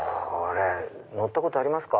乗ったことありますか？